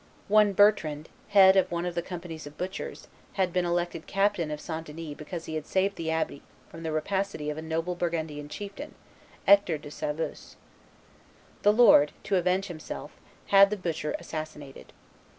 One Bertrand, head of one of the companies of butchers, had been elected captain of St. Denis because he had saved the abbey from the rapacity of a noble Burgundian chieftain, Hector de Saveuse. The lord, to avenge himself, had the butcher assassinated.